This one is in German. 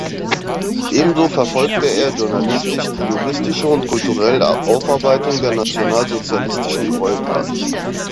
Ebenso verfolgte er journalistisch die juristische und kulturelle Aufarbeitung der nationalsozialistischen Gräueltaten.